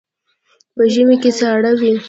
په ژمي کې ساړه وي.